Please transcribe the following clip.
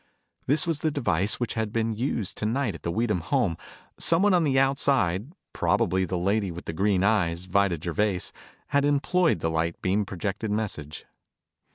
This was the device which had been used tonight at the Weedham home. Someone on the outside, probably the lady with the green eyes, Vida Gervais, had employed the light beam projected message.